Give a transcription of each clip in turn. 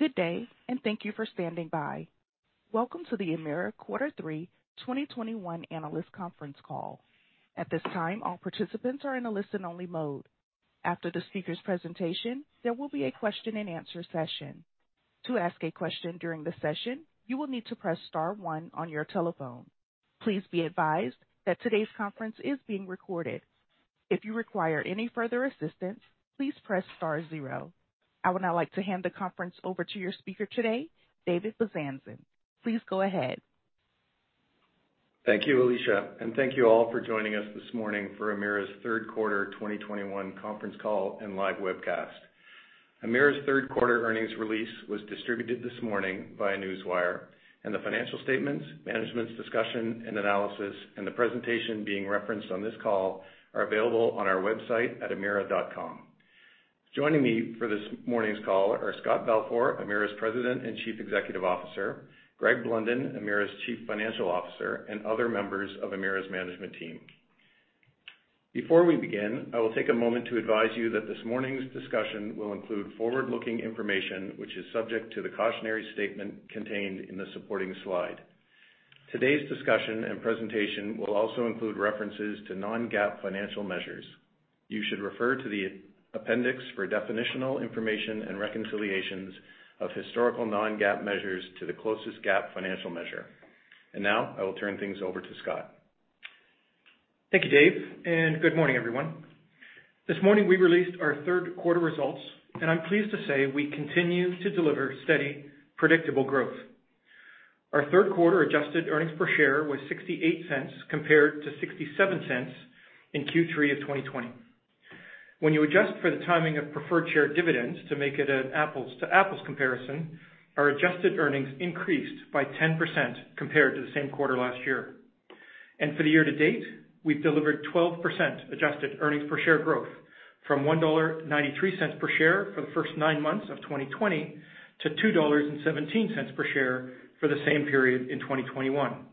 Good day, and thank you for standing by. Welcome to the Emera quarter three 2021 analyst conference call. At this time, all participants are in a listen-only mode. After the speaker's presentation, there will be a question-and-answer session. To ask a question during the session, you will need to press star one on your telephone. Please be advised that today's conference is being recorded. If you require any further assistance, please press star zero. I would now like to hand the conference over to your speaker today, Dave Bezanson. Please go ahead. Thank you, Alicia, and thank you all for joining us this morning for Emera's third quarter 2021 conference call and live webcast. Emera's third-quarter earnings release was distributed this morning via Newswire, and the financial statements, management's discussion and analysis, and the presentation being referenced on this call are available on our website at emera.com. Joining me for this morning's call are Scott Balfour, Emera's President and Chief Executive Officer, Greg Blunden, Emera's Chief Financial Officer, and other members of Emera's management team. Before we begin, I will take a moment to advise you that this morning's discussion will include forward-looking information which is subject to the cautionary statement contained in the supporting slide. Today's discussion and presentation will also include references to non-GAAP financial measures. You should refer to the appendix for definitional information and reconciliations of historical non-GAAP measures to the closest GAAP financial measure. Now, I will turn things over to Scott. Thank you, Dave, and good morning, everyone. This morning, we released our third-quarter results, and I'm pleased to say we continue to deliver steady, predictable growth. Our third-quarter adjusted earnings per share was 0.68 compared to 0.67 in Q3 of 2020. When you adjust for the timing of preferred share dividends to make it an apples-to-apples comparison, our adjusted earnings increased by 10% compared to the same quarter last year. For the year-to-date, we've delivered 12% adjusted earnings per share growth from 1.93 dollar per share for the first nine months of 2020 to 2.17 dollars per share for the same period in 2021,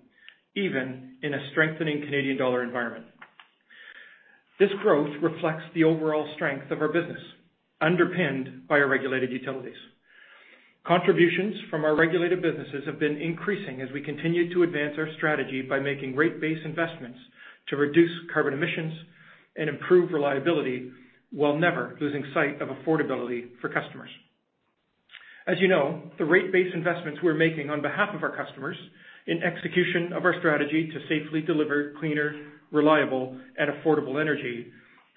even in a strengthening Canadian dollar environment. This growth reflects the overall strength of our business, underpinned by our regulated utilities. Contributions from our regulated businesses have been increasing as we continue to advance our strategy by making rate-based investments to reduce carbon emissions and improve reliability while never losing sight of affordability for customers. As you know, the rate-based investments we're making on behalf of our customers in execution of our strategy to safely deliver cleaner, reliable, and affordable energy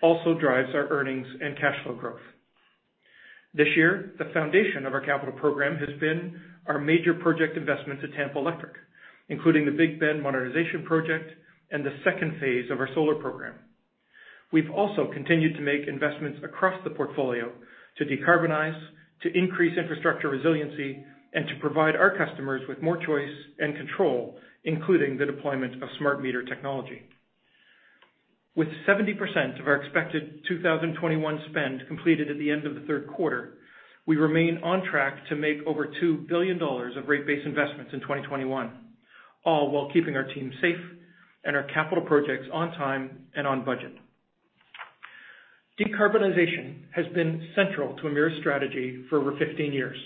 also drives our earnings and cash flow growth. This year, the foundation of our capital program has been our major project investments at Tampa Electric, including the Big Bend modernization project and the second phase of our solar program. We've also continued to make investments across the portfolio to decarbonize, to increase infrastructure resiliency, and to provide our customers with more choice and control, including the deployment of smart meter technology. With 70% of our expected 2021 spend completed at the end of the third quarter, we remain on track to make over $2 billion of rate-based investments in 2021, all while keeping our team safe and our capital projects on time and on budget. Decarbonization has been central to Emera's strategy for over 15 years.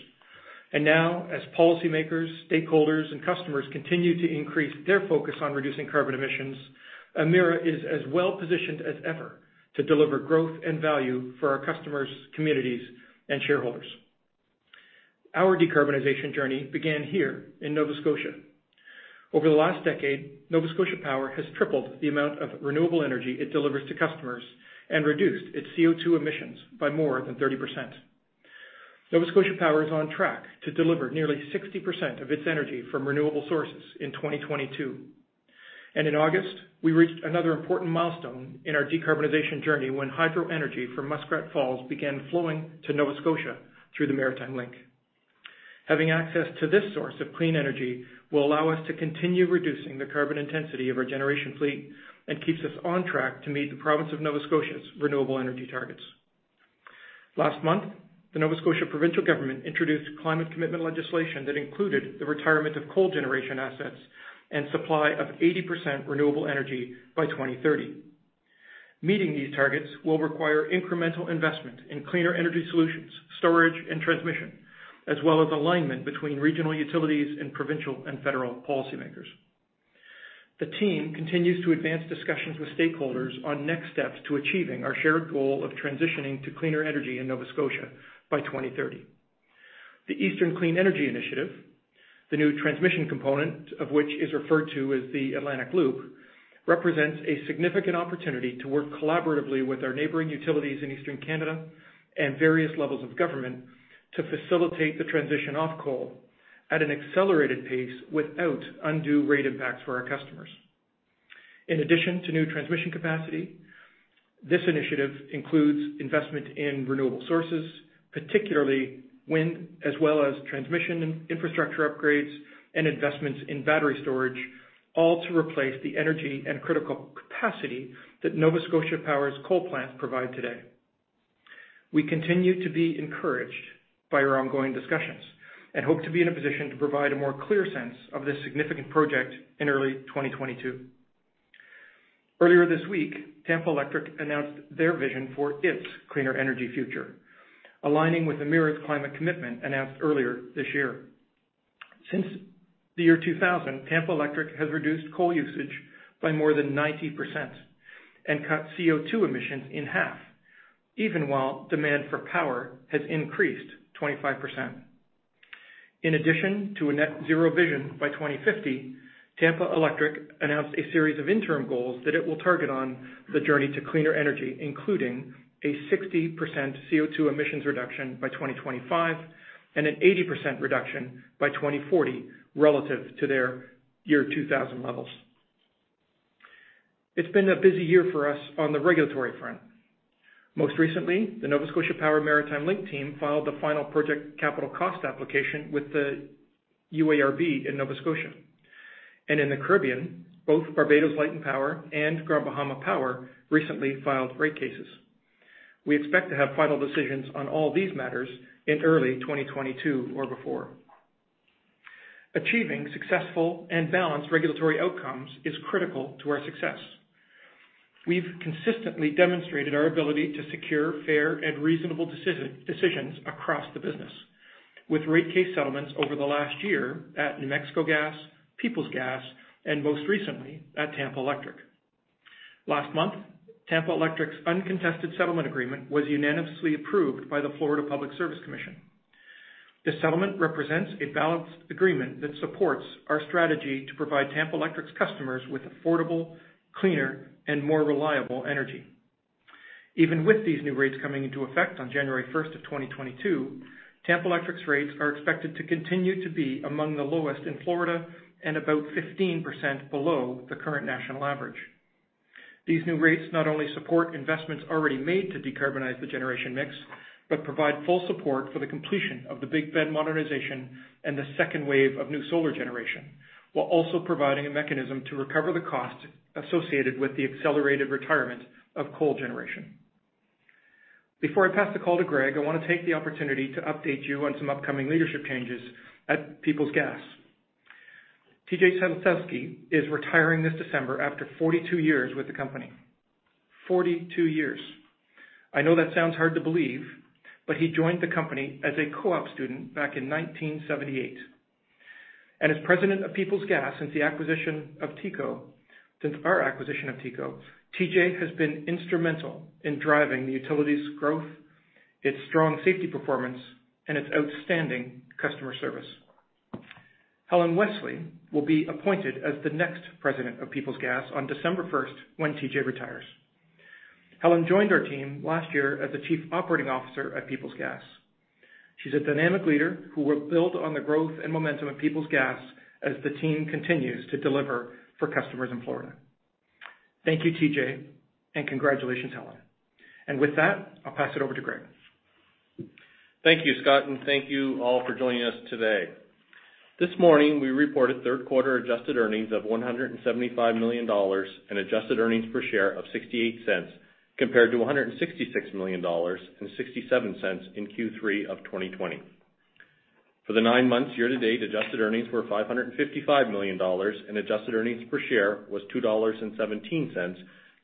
Now, as policymakers, stakeholders, and customers continue to increase their focus on reducing carbon emissions, Emera is as well-positioned as ever to deliver growth and value for our customers, communities, and shareholders. Our decarbonization journey began here in Nova Scotia. Over the last decade, Nova Scotia Power has tripled the amount of renewable energy it delivers to customers and reduced its CO2 emissions by more than 30%. Nova Scotia Power is on track to deliver nearly 60% of its energy from renewable sources in 2022. In August, we reached another important milestone in our decarbonization journey when hydro energy from Muskrat Falls began flowing to Nova Scotia through the Maritime Link. Having access to this source of clean energy will allow us to continue reducing the carbon intensity of our generation fleet and keeps us on track to meet the province of Nova Scotia's renewable energy targets. Last month, the Nova Scotia provincial government introduced climate commitment legislation that included the retirement of coal generation assets and supply of 80% renewable energy by 2030. Meeting these targets will require incremental investment in cleaner energy solutions, storage, and transmission, as well as alignment between regional utilities and provincial and federal policymakers. The team continues to advance discussions with stakeholders on next steps to achieving our shared goal of transitioning to cleaner energy in Nova Scotia by 2030. The Eastern Clean Energy Initiative, the new transmission component of which is referred to as the Atlantic Loop, represents a significant opportunity to work collaboratively with our neighboring utilities in Eastern Canada and various levels of government to facilitate the transition off coal at an accelerated pace without undue rate impacts for our customers. In addition to new transmission capacity, this initiative includes investment in renewable sources, particularly wind, as well as transmission infrastructure upgrades and investments in battery storage, all to replace the energy and critical capacity that Nova Scotia Power's coal plants provide today. We continue to be encouraged by our ongoing discussions and hope to be in a position to provide a more clear sense of this significant project in early 2022. Earlier this week, Tampa Electric announced their vision for its cleaner energy future, aligning with Emera's climate commitment announced earlier this year. Since the year 2000, Tampa Electric has reduced coal usage by more than 90% and cut CO2 emissions in half, even while demand for power has increased 25%. In addition to a net zero vision by 2050, Tampa Electric announced a series of interim goals that it will target on the journey to cleaner energy, including a 60% CO2 emissions reduction by 2025 and an 80% reduction by 2040 relative to their year 2000 levels. It's been a busy year for us on the regulatory front. Most recently, the Nova Scotia Power Maritime Link team filed the final project capital cost application with the UARB in Nova Scotia. In the Caribbean, both Barbados Light and Power and Grand Bahama Power recently filed rate cases. We expect to have final decisions on all these matters in early 2022 or before. Achieving successful and balanced regulatory outcomes is critical to our success. We've consistently demonstrated our ability to secure fair and reasonable decisions across the business with rate case settlements over the last year at New Mexico Gas, Peoples Gas, and most recently at Tampa Electric. Last month, Tampa Electric's uncontested settlement agreement was unanimously approved by the Florida Public Service Commission. This settlement represents a balanced agreement that supports our strategy to provide Tampa Electric's customers with affordable, cleaner, and more reliable energy. Even with these new rates coming into effect on January 1, 2022, Tampa Electric's rates are expected to continue to be among the lowest in Florida and about 15% below the current national average. These new rates not only support investments already made to decarbonize the generation mix, but provide full support for the completion of the Big Bend modernization and the second wave of new solar generation, while also providing a mechanism to recover the cost associated with the accelerated retirement of coal generation. Before I pass the call to Greg, I wanna take the opportunity to update you on some upcoming leadership changes at Peoples Gas. T.J. Szelistowski is retiring this December after 42 years with the company. 42 years. I know that sounds hard to believe, but he joined the company as a co-op student back in 1978. As president of Peoples Gas since our acquisition of TECO, TJ has been instrumental in driving the utility's growth, its strong safety performance, and its outstanding customer service. Helen Wesley will be appointed as the next president of Peoples Gas on December first when TJ retires. Helen joined our team last year as the Chief Operating Officer at Peoples Gas. She's a dynamic leader who will build on the growth and momentum of Peoples Gas as the team continues to deliver for customers in Florida. Thank you, TJ, and congratulations, Helen. With that, I'll pass it over to Greg. Thank you, Scott, and thank you all for joining us today. This morning, we reported third quarter adjusted earnings of $175 million and adjusted earnings per share of $0.68 compared to $166 million and $0.67 in Q3 of 2020. For the nine months year-to-date, adjusted earnings were $555 million and adjusted earnings per share was $2.17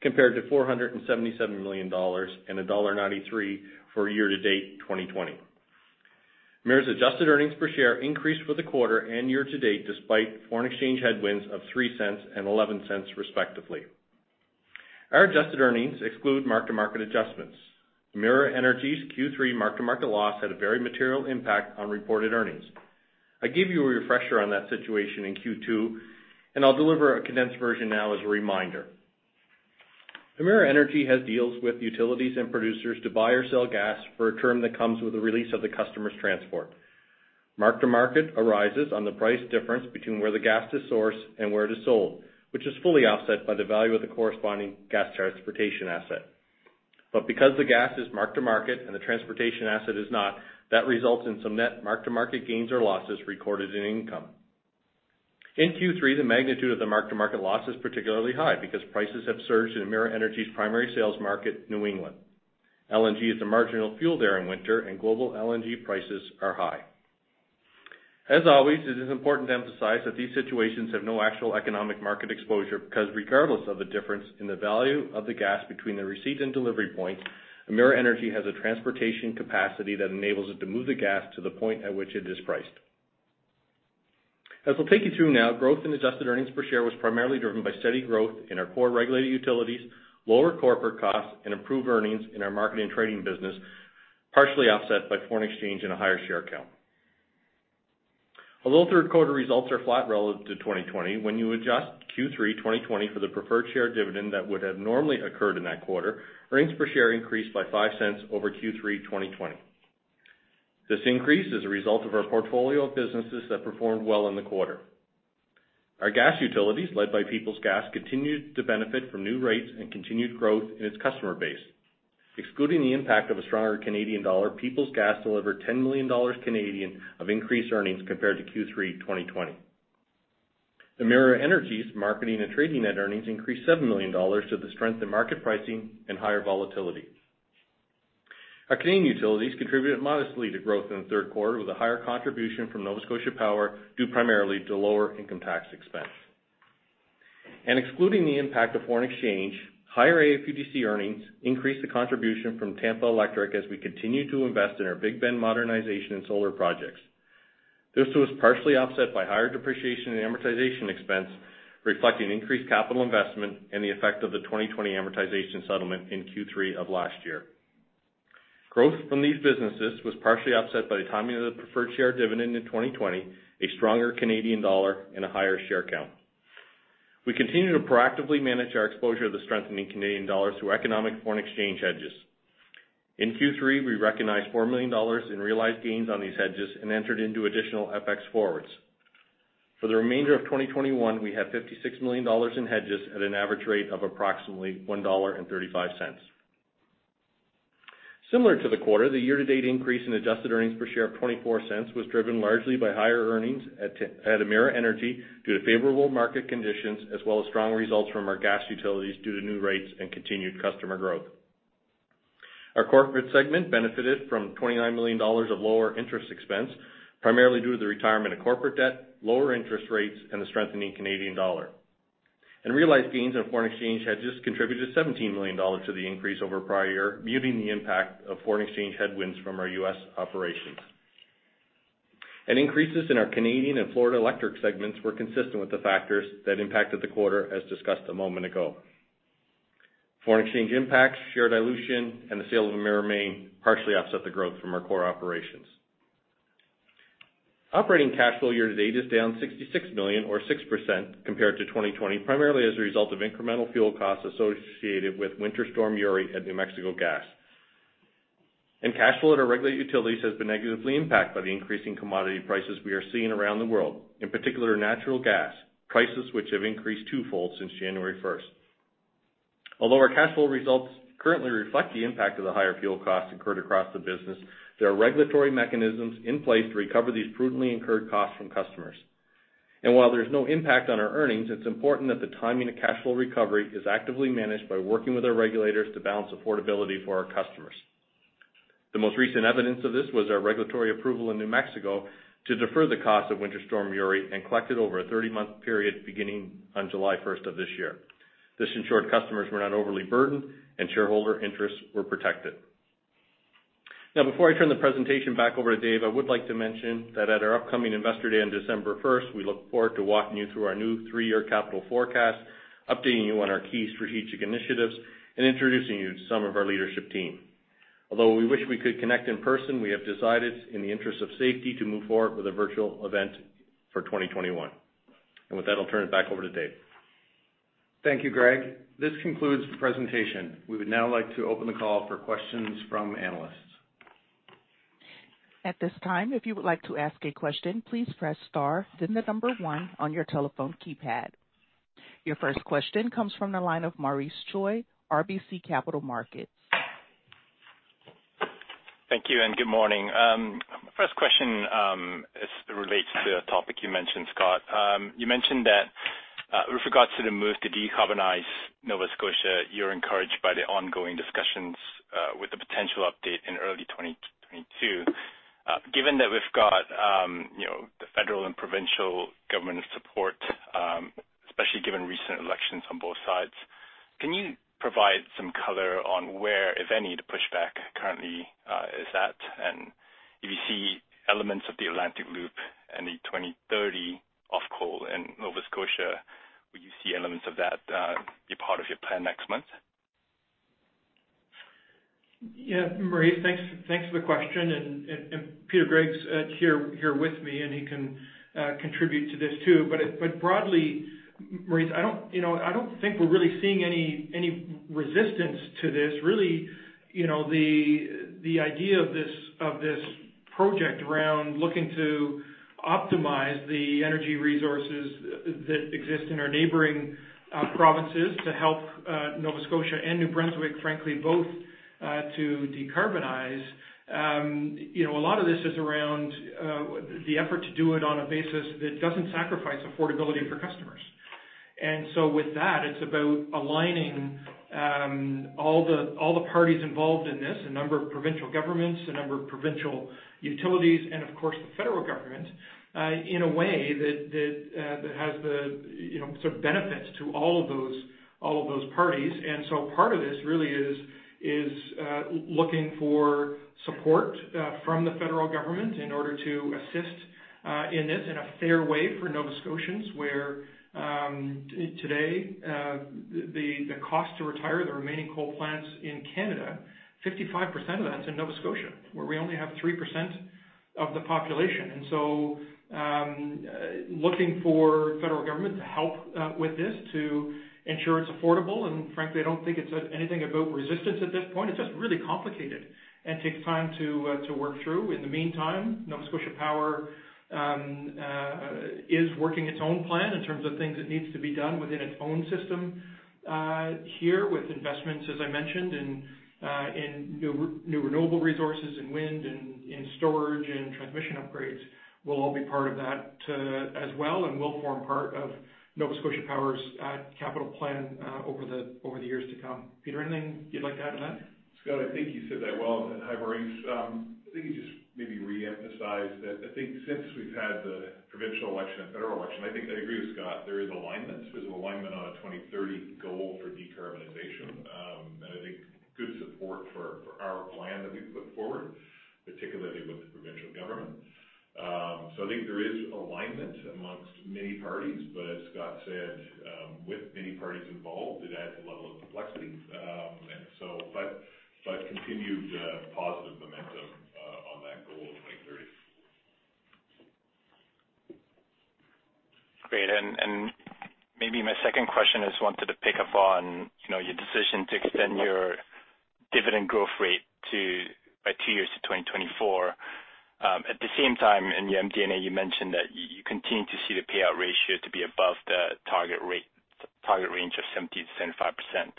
compared to $477 million and $1.93 for year-to-date 2020. Emera's adjusted earnings per share increased for the quarter and year-to-date despite foreign exchange headwinds of $0.03 and $0.11, respectively. Our adjusted earnings exclude mark-to-market adjustments. Emera Energy's Q3 mark-to-market loss had a very material impact on reported earnings. I gave you a refresher on that situation in Q2, and I'll deliver a condensed version now as a reminder. Emera Energy has deals with utilities and producers to buy or sell gas for a term that comes with the release of the customer's transport. Mark-to-market arises on the price difference between where the gas is sourced and where it is sold, which is fully offset by the value of the corresponding gas transportation asset. Because the gas is mark-to-market and the transportation asset is not, that results in some net mark-to-market gains or losses recorded in income. In Q3, the magnitude of the mark-to-market loss is particularly high because prices have surged in Emera Energy's primary sales market, New England. LNG is a marginal fuel there in winter, and global LNG prices are high. As always, it is important to emphasize that these situations have no actual economic market exposure because regardless of the difference in the value of the gas between the receipt and delivery point, Emera Energy has a transportation capacity that enables it to move the gas to the point at which it is priced. As we'll take you through now, growth in adjusted earnings per share was primarily driven by steady growth in our core regulated utilities, lower corporate costs, and improved earnings in our marketing and trading business, partially offset by foreign exchange and a higher share count. Although third quarter results are flat relative to 2020, when you adjust Q3 2020 for the preferred share dividend that would have normally occurred in that quarter, earnings per share increased by 0.05 over Q3 2020. This increase is a result of our portfolio of businesses that performed well in the quarter. Our gas utilities, led by Peoples Gas, continued to benefit from new rates and continued growth in its customer base. Excluding the impact of a stronger Canadian dollar, Peoples Gas delivered 10 million Canadian dollars of increased earnings compared to Q3 2020. Emera Energy's marketing and trading net earnings increased 7 million dollars due to the strength in market pricing and higher volatility. Our Canadian utilities contributed modestly to growth in the third quarter with a higher contribution from Nova Scotia Power, due primarily to lower income tax expense. Excluding the impact of foreign exchange, higher AFPDC earnings increased the contribution from Tampa Electric as we continue to invest in our Big Bend modernization and solar projects. This was partially offset by higher depreciation and amortization expense, reflecting increased capital investment and the effect of the 2020 amortization settlement in Q3 of last year. Growth from these businesses was partially offset by the timing of the preferred share dividend in 2020, a stronger Canadian dollar, and a higher share count. We continue to proactively manage our exposure to the strengthening Canadian dollar through economic foreign exchange hedges. In Q3, we recognized 4 million dollars in realized gains on these hedges and entered into additional FX forwards. For the remainder of 2021, we have 56 million dollars in hedges at an average rate of approximately 1.35 dollar. Similar to the quarter, the year-to-date increase in adjusted earnings per share of 0.24 was driven largely by higher earnings at Emera Energy due to favorable market conditions as well as strong results from our gas utilities due to new rates and continued customer growth. Our corporate segment benefited from 29 million dollars of lower interest expense, primarily due to the retirement of corporate debt, lower interest rates, and the strengthening Canadian dollar. Realized gains on foreign exchange hedges contributed CAD 17 million to the increase over prior year, muting the impact of foreign exchange headwinds from our U.S. operations. Increases in our Canadian and Florida Electric segments were consistent with the factors that impacted the quarter as discussed a moment ago. Foreign exchange impacts, share dilution, and the sale of Emera Maine partially offset the growth from our core operations. Operating cash flow year-to-date is down 66 million or 6% compared to 2020, primarily as a result of incremental fuel costs associated with Winter Storm Uri at New Mexico Gas. Cash flow at our regulated utilities has been negatively impacted by the increasing commodity prices we are seeing around the world, in particular natural gas, prices which have increased twofold since January first. Although our cash flow results currently reflect the impact of the higher fuel costs incurred across the business, there are regulatory mechanisms in place to recover these prudently incurred costs from customers. While there's no impact on our earnings, it's important that the timing of cash flow recovery is actively managed by working with our regulators to balance affordability for our customers. The most recent evidence of this was our regulatory approval in New Mexico to defer the cost of Winter Storm Uri and collect it over a 30-month period beginning on July 1 of this year. This ensured customers were not overly burdened and shareholder interests were protected. Now, before I turn the presentation back over to Dave, I would like to mention that at our upcoming Investor Day on December 1, we look forward to walking you through our new three-year capital forecast, updating you on our key strategic initiatives, and introducing you to some of our leadership team. Although we wish we could connect in person, we have decided, in the interest of safety, to move forward with a virtual event for 2021. With that, I'll turn it back over to Dave. Thank you, Greg. This concludes the presentation. We would now like to open the call for questions from analysts. At this time, if you would like to ask a question, please press star then the number one on your telephone keypad. Your first question comes from the line of Maurice Choy, RBC Capital Markets. Thank you and good morning. First question is related to a topic you mentioned, Scott. You mentioned that, with regards to the move to decarbonize Nova Scotia, you're encouraged by the ongoing discussions, with the potential update in early 2022. Given that we've got, you know, the federal and provincial government support, especially given recent elections on both sides, can you provide some color on where, if any, the pushback currently is at? If you see elements of the Atlantic Loop and the 2030 off coal in Nova Scotia, will you see elements of that be part of your plan next month? Yeah, Maurice, thanks for the question, and Peter Gregg here with me, and he can contribute to this too. Broadly, Maurice, you know, I don't think we're really seeing any resistance to this. Really, you know, the idea of this project around looking to optimize the energy resources that exist in our neighboring provinces to help Nova Scotia and New Brunswick, frankly, both to decarbonize. You know, a lot of this is around the effort to do it on a basis that doesn't sacrifice affordability for customers. With that, it's about aligning all the parties involved in this, a number of provincial governments, a number of provincial utilities, and of course, the federal government in a way that has the, you know, sort of benefits to all of those parties. Part of this really is looking for support from the federal government in order to assist in this in a fair way for Nova Scotians, where today the cost to retire the remaining coal plants in Canada, 55% of that is in Nova Scotia, where we only have 3% of the population. Looking for federal government to help with this to ensure it's affordable, and frankly, I don't think it's anything about resistance at this point. It's just really complicated and takes time to work through. In the meantime, Nova Scotia Power is working its own plan in terms of things that needs to be done within its own system here with investments, as I mentioned, in new renewable resources, in wind, in storage, and transmission upgrades will all be part of that as well and will form part of Nova Scotia Power's capital plan over the years to come. Peter, anything you'd like to add to that? Scott, I think you said that well. Hi, Maurice. Let me just maybe re-emphasize that I think since we've had the provincial election and federal election, I think I agree with Scott. There is alignment. There's alignment on a 2030 goal for decarbonization. I think good support for our plan that we've put forward, particularly with the provincial government. I think there is alignment among many parties, but as Scott said, with many parties involved, it adds a level of complexity. Continued positive momentum on that goal of 2030. Great. Maybe my second question is I wanted to pick up on, you know, your decision to extend your dividend growth rate by two years to 2024. At the same time, in your MD&A, you mentioned that you continue to see the payout ratio to be above the target range of 70%-75%.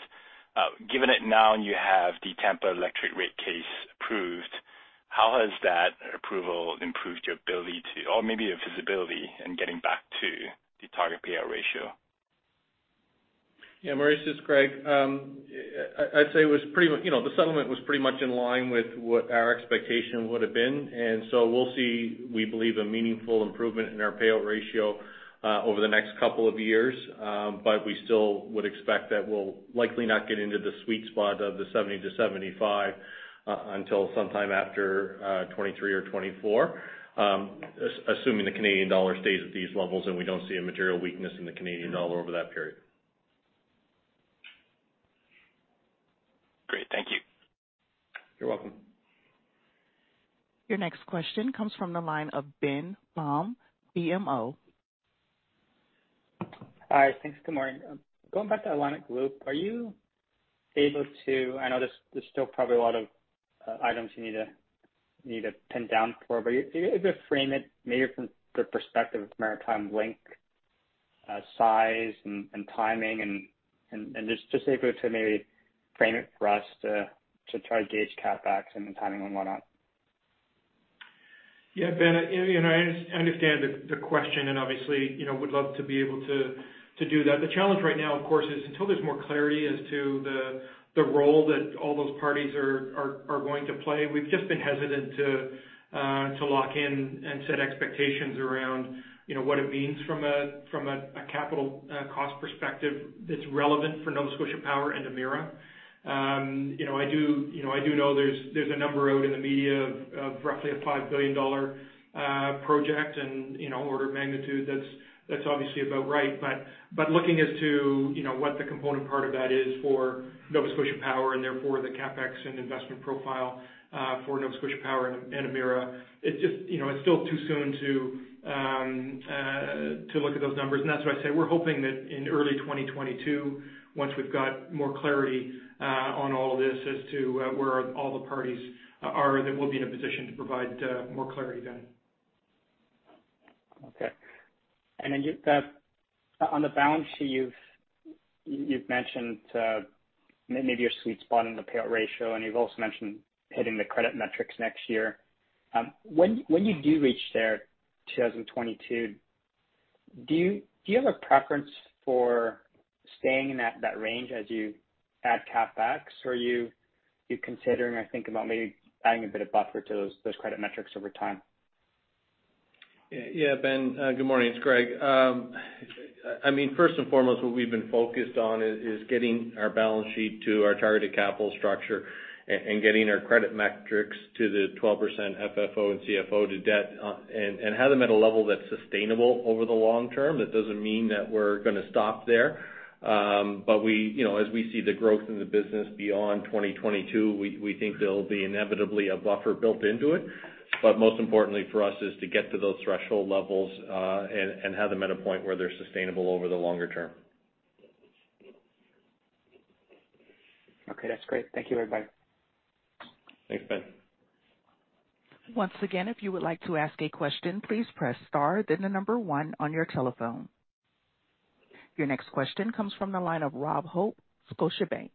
Given that now you have the Tampa Electric rate case approved, how has that approval improved your ability to, or maybe your visibility in, getting back to the target payout ratio? Yeah, Maurice, this is Greg. You know, the settlement was pretty much in line with what our expectation would have been. We'll see, we believe, a meaningful improvement in our payout ratio over the next couple of years. We still would expect that we'll likely not get into the sweet spot of the 70%-75% until sometime after 2023 or 2024, assuming the Canadian dollar stays at these levels, and we don't see a material weakness in the Canadian dollar over that period. Great. Thank you. You're welcome. Your next question comes from the line of Ben Pham, BMO. Hi. Thanks. Good morning. Going back to Atlantic Loop, are you able to? I know there's still probably a lot of items you need to pin down for, but if you're able to frame it maybe from the perspective of Maritime Link, size and timing and just able to maybe frame it for us to try to gauge CapEx and the timing on whatnot. Yeah, Ben, you know, I understand the question, and obviously, you know, would love to be able to do that. The challenge right now, of course, is until there's more clarity as to the role that all those parties are going to play, we've just been hesitant to lock in and set expectations around, you know, what it means from a capital cost perspective that's relevant for Nova Scotia Power and Emera. You know, I do know there's a number out in the media of roughly a 5 billion dollar project and, you know, order of magnitude that's obviously about right. Looking as to, you know, what the component part of that is for Nova Scotia Power and therefore the CapEx and investment profile for Nova Scotia Power and Emera, it just, you know, it's still too soon to look at those numbers. That's why I say we're hoping that in early 2022, once we've got more clarity on all of this as to where all the parties are, that we'll be in a position to provide more clarity then. Okay. On the balance sheet, you've mentioned maybe your sweet spot in the payout ratio, and you've also mentioned hitting the credit metrics next year. When you do reach there, 2022, do you have a preference for staying in that range as you add CapEx, or are you considering, I think, about maybe adding a bit of buffer to those credit metrics over time? Yeah. Yeah, Ben. Good morning. It's Greg. I mean, first and foremost, what we've been focused on is getting our balance sheet to our targeted capital structure and getting our credit metrics to the 12% FFO and CFO to debt, and have them at a level that's sustainable over the long term. That doesn't mean that we're gonna stop there. We, you know, as we see the growth in the business beyond 2022, we think there'll be inevitably a buffer built into it. Most importantly for us is to get to those threshold levels, and have them at a point where they're sustainable over the longer term. Okay. That's great. Thank you, everybody. Thanks, Ben. Once again, if you would like to ask a question, please press star then the number one on your telephone. Your next question comes from the line of Rob Hope, Scotiabank.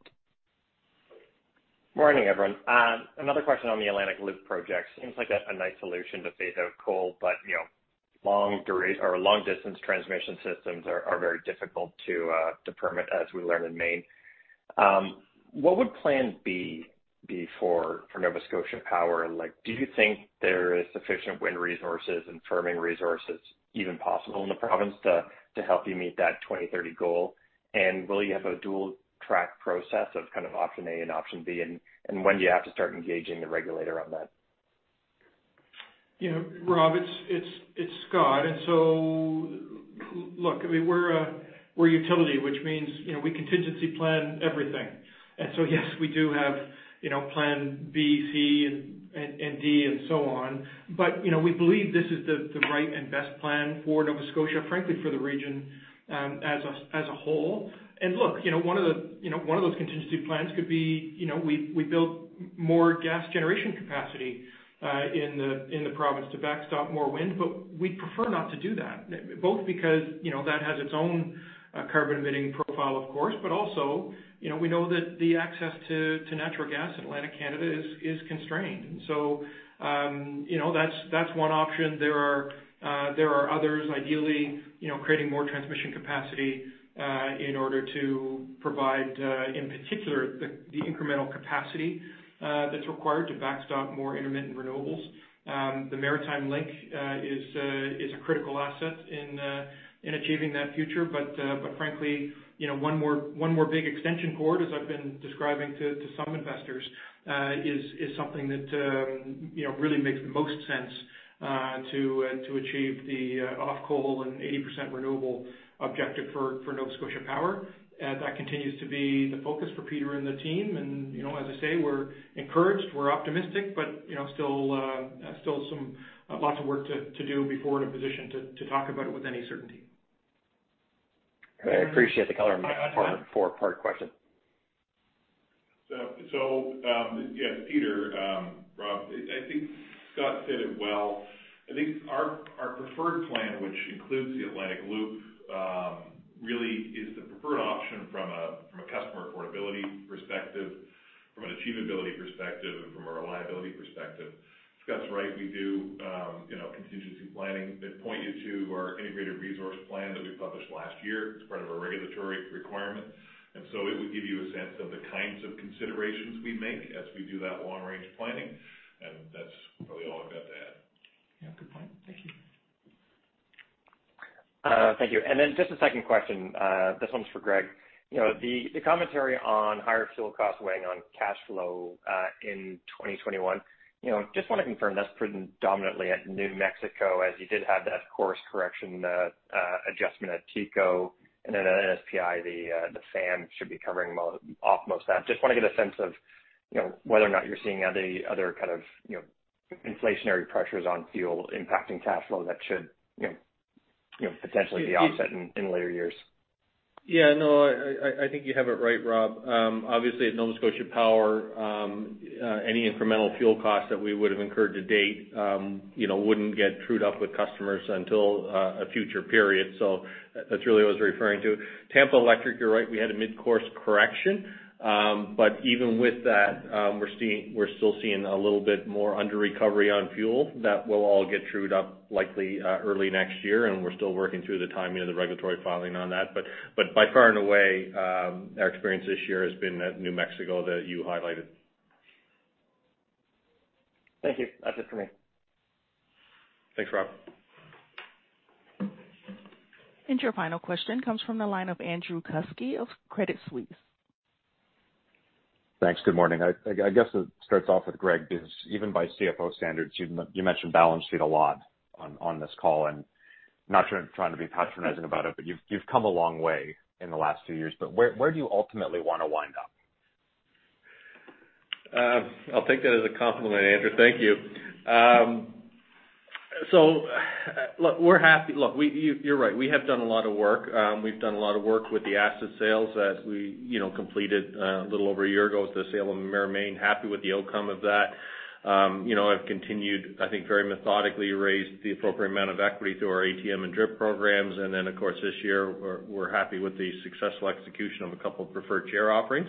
Morning, everyone. Another question on the Atlantic Loop project. Seems like a nice solution to phase out coal, but, you know, long-distance transmission systems are very difficult to permit, as we learned in Maine. What would plan B be for Nova Scotia Power? Like, do you think there is sufficient wind resources and firming resources even possible in the province to help you meet that 2030 goal? And will you have a dual-track process of kind of option A and option B? And when do you have to start engaging the regulator on that? You know, Rob, it's Scott. Look, I mean, we're a utility, which means, you know, we contingency plan everything. Yes, we do have, you know, plan B, C and D and so on. We believe this is the right and best plan for Nova Scotia, frankly, for the region, as a whole. Look, you know, one of those contingency plans could be, you know, we build more gas generation capacity in the province to backstop more wind. We'd prefer not to do that, both because, you know, that has its own carbon-emitting profile, of course. Also, you know, we know that the access to natural gas in Atlantic Canada is constrained. That's one option. There are others ideally, you know, creating more transmission capacity in order to provide, in particular, the incremental capacity that's required to backstop more intermittent renewables. The Maritime Link is a critical asset in achieving that future. Frankly, you know, one more big extension cord, as I've been describing to some investors, is something that, you know, really makes the most sense to achieve the off coal and 80% renewable objective for Nova Scotia Power. That continues to be the focus for Peter and the team. You know, as I say, we're encouraged, we're optimistic, but, you know, still some lots of work to do before we're in a position to talk about it with any certainty. I appreciate the color in my four-part question. Yeah, Peter, Rob, I think Scott said it well. I think our preferred plan, which includes the Atlantic Loop, really is the preferred option from a customer affordability perspective, from an achievability perspective, and from a reliability perspective. Scott's right. We do you know, contingency planning. That points you to our integrated resource plan that we published last year. It's part of a regulatory requirement. It would give you a sense of the kinds of considerations we make as we do that long-range planning. That's probably all I've got to add. Yeah. Good point. Thank you. Thank you. Just a second question, this one's for Greg. You know, the commentary on higher fuel costs weighing on cash flow in 2021. You know, just want to confirm that's predominantly at New Mexico, as you did have that course correction adjustment at TECO. Then at NSPI, the FAM should be covering most of that. Just want to get a sense of, you know, whether or not you're seeing any other kind of, you know, inflationary pressures on fuel impacting cash flow that should, you know, potentially be offset in later years. Yeah, no, I think you have it right, Rob. Obviously at Nova Scotia Power, any incremental fuel costs that we would have incurred to date, you know, wouldn't get trued up with customers until a future period. That's really what I was referring to. Tampa Electric, you're right, we had a mid-course correction. Even with that, we're still seeing a little bit more under recovery on fuel. That will all get trued up likely early next year, and we're still working through the timing of the regulatory filing on that. By far and away, our experience this year has been at New Mexico that you highlighted. Thank you. That's it for me. Thanks, Rob. Your final question comes from the line of Andrew Kuske of Credit Suisse. Thanks. Good morning. I guess it starts off with Greg, because even by CFO standards, you mentioned balance sheet a lot on this call. Not trying to be patronizing about it, but you've come a long way in the last two years. Where do you ultimately want to wind up? I'll take that as a compliment, Andrew. Thank you. Look, we're happy. You're right. We have done a lot of work. We've done a lot of work with the asset sales that we, you know, completed a little over a year ago with the sale of Emera Maine. Happy with the outcome of that. You know, I've continued, I think, very methodically raised the appropriate amount of equity through our ATM and DRIP programs. Then, of course, this year, we're happy with the successful execution of a couple of preferred share offerings.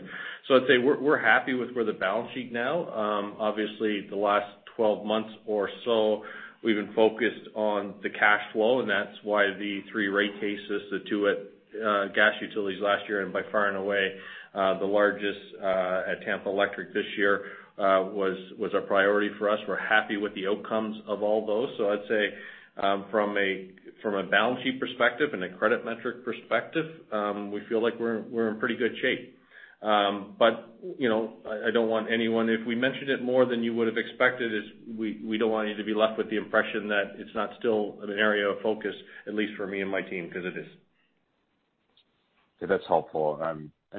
I'd say we're happy with where the balance sheet now. Obviously, the last 12 months or so, we've been focused on the cash flow, and that's why the three rate cases, the two at gas utilities last year, and by far and away the largest at Tampa Electric this year was a priority for us. We're happy with the outcomes of all those. I'd say from a balance sheet perspective and a credit metric perspective, we feel like we're in pretty good shape. You know, I don't want anyone. If we mentioned it more than you would have expected, we don't want you to be left with the impression that it's not still an area of focus, at least for me and my team, because it is. Okay. That's helpful.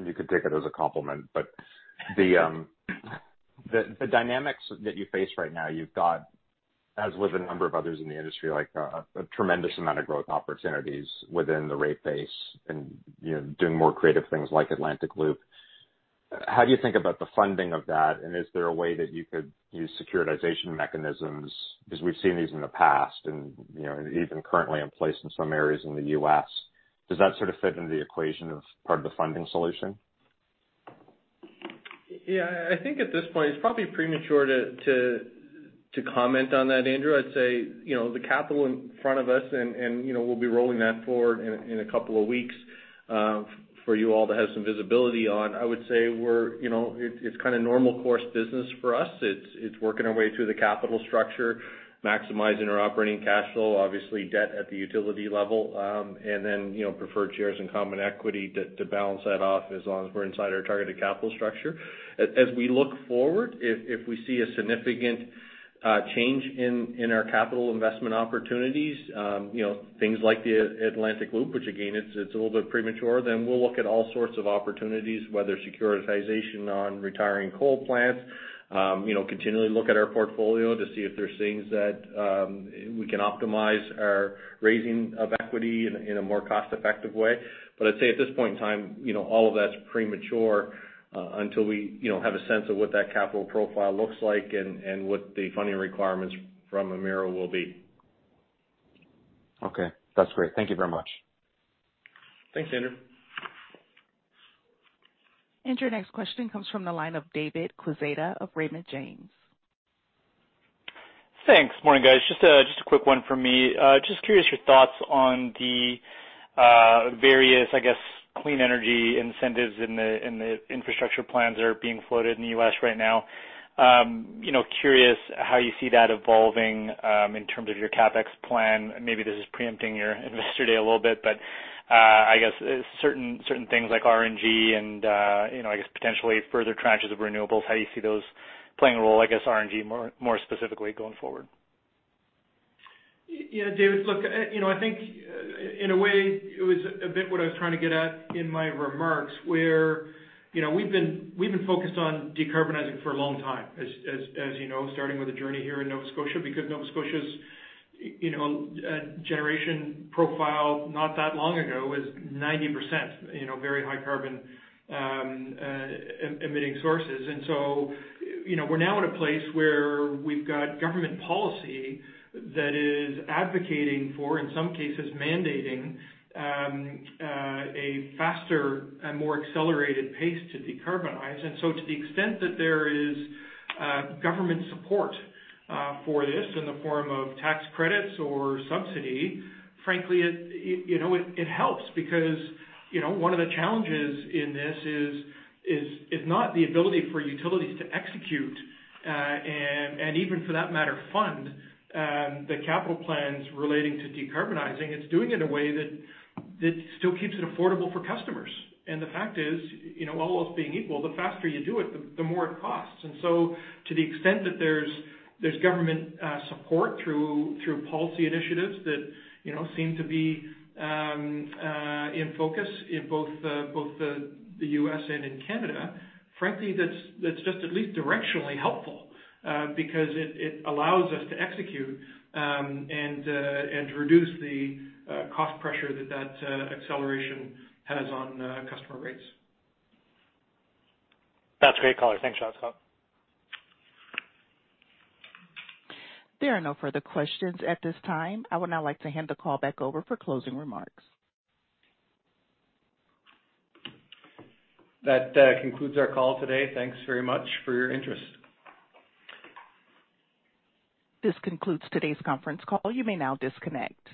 You could take it as a compliment. The dynamics that you face right now, you've got, as with a number of others in the industry, like, a tremendous amount of growth opportunities within the rate base and, you know, doing more creative things like Atlantic Loop. How do you think about the funding of that? Is there a way that you could use securitization mechanisms? Because we've seen these in the past and, you know, even currently in place in some areas in the U.S. Does that sort of fit into the equation as part of the funding solution? Yeah. I think at this point, it's probably premature to comment on that, Andrew. I'd say, you know, the capital in front of us and, you know, we'll be rolling that forward in a couple of weeks for you all to have some visibility on. I would say it's kind of normal course business for us. It's working our way through the capital structure, maximizing our operating cash flow, obviously debt at the utility level, and then, you know, preferred shares and common equity to balance that off as long as we're inside our targeted capital structure. As we look forward, if we see a significant change in our capital investment opportunities, you know, things like the Atlantic Loop, which again, it's a little bit premature, then we'll look at all sorts of opportunities, whether securitization on retiring coal plants, you know, continually look at our portfolio to see if there's things that we can optimize our raising of equity in a more cost-effective way. But I'd say at this point in time, you know, all of that's premature, until we, you know, have a sense of what that capital profile looks like and what the funding requirements from Emera will be. Okay, that's great. Thank you very much. Thanks, Andrew. Your next question comes from the line of David Quezada of Raymond James. Thanks. Morning, guys. Just a quick one for me. Just curious, your thoughts on the various, I guess, clean energy incentives in the infrastructure plans that are being floated in the U.S. right now. You know, curious how you see that evolving in terms of your CapEx plan. Maybe this is preempting your Investor Day a little bit, but I guess certain things like RNG and, you know, I guess potentially further tranches of renewables, how do you see those playing a role, I guess RNG more specifically going forward? Yeah. David, look, you know, I think in a way, it was a bit what I was trying to get at in my remarks, where, you know, we've been focused on decarbonizing for a long time, as you know, starting with a journey here in Nova Scotia, because Nova Scotia's generation profile not that long ago is 90%, very high carbon, emitting sources. You know, we're now in a place where we've got government policy that is advocating for, in some cases, mandating, a faster and more accelerated pace to decarbonize. To the extent that there is government support for this in the form of tax credits or subsidy, frankly, it, you know, it helps because, you know, one of the challenges in this is not the ability for utilities to execute, and even for that matter, fund the capital plans relating to decarbonizing. It's doing it in a way that still keeps it affordable for customers. The fact is, you know, all else being equal, the faster you do it, the more it costs. To the extent that there's government support through policy initiatives that you know seem to be in focus in both the U.S. and in Canada, frankly, that's just at least directionally helpful because it allows us to execute and to reduce the cost pressure that acceleration has on customer rates. That's great color. Thanks, Scott. There are no further questions at this time. I would now like to hand the call back over for closing remarks. That concludes our call today. Thanks very much for your interest. This concludes today's conference call. You may now disconnect.